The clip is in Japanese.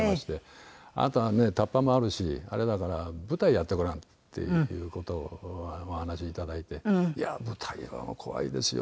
「あなたたっぱもあるしあれだから舞台やってごらん」っていう事をお話しいただいて「いや舞台は怖いですよ！